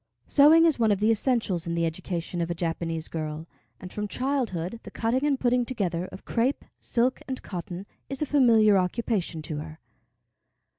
Sewing is one of the essentials in the education of a Japanese girl, and from childhood the cutting and putting together of crêpe, silk, and cotton is a familiar occupation to her.